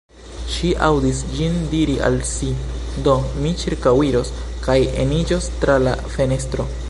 Ŝi aŭdis ĝin diri al si: Do, mi ĉirkaŭiros kaj eniĝos tra la fenestro.